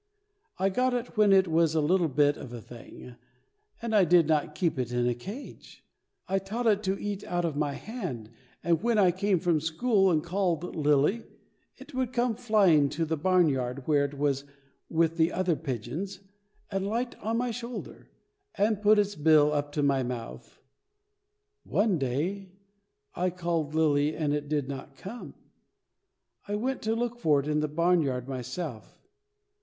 I got it when it was a little bit of a thing, and I did not keep it in a cage. I taught it to eat out of my hand, and when I came from school and called Lily, it would come flying from the barn yard, where it was with the other pigeons, and light on my shoulder, and put its bill up to my mouth. One day I called Lily, and it did not come. I went to look for it in the barn yard myself.